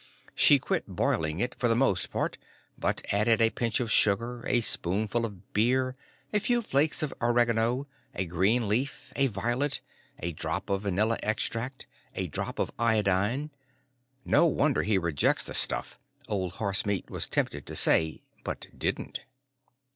She quit boiling it for the most part but added a pinch of sugar, a spoonful of beer, a few flakes of oregano, a green leaf, a violet, a drop of vanilla extract, a drop of iodine.... "No wonder he rejects the stuff," Old Horsemeat was tempted to say, but didn't.